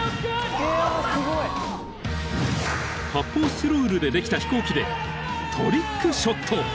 ［発泡スチロールでできた飛行機でトリックショット］